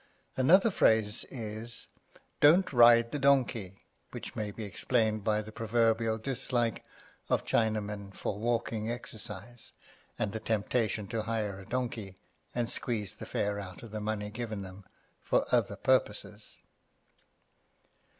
Another phrase is, Don't ride the donkey, which may be explained by the proverbial dislike of Chinamen for walking exercise, and the temptation to hire a donkey, and squeeze the fare out of the money given them for other purposes.